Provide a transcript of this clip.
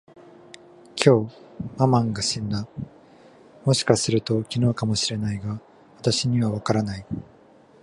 きょう、ママンが死んだ。もしかすると、昨日かも知れないが、私にはわからない。